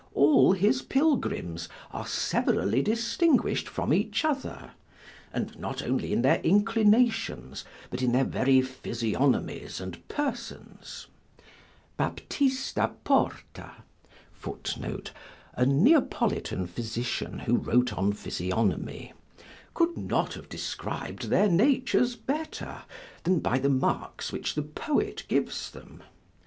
All his pilgrims are severally distinguish'd from each other; and not only in their inclinations, but in their very physiognomies and persons. Bapista Porta could not have described their natures better, than by the marks which the poet gives them.